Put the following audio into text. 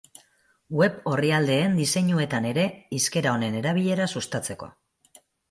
Web orrialdeen diseinuetan ere hizkera honen erabilera sustatzeko.